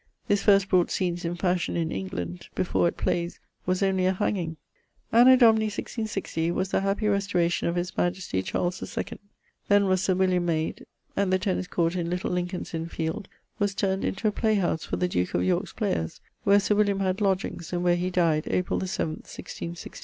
This first brought scenes in fashion in England; before, at playes, was only a hanging. Anno Domini 1660 was the happy restauration of his majestie Charles II. Then was Sir Wm. made ...; and the Tennis court in Little Lincolnes Inne fielde was turn'd into a play house for the duke of Yorke's players, where Sir William had lodgeings, and where he dyed, April the <7th> 166<8>[LIV.